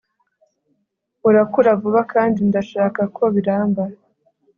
urakura vuba, kandi ndashaka ko biramba